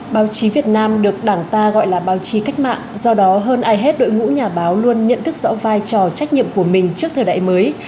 báo chí việt nam được đảng ta gọi là báo chí cách mạng do đó hơn ai hết đội ngũ nhà báo luôn nhận thức rõ vai trò trách nhiệm của mình trước thời đại mới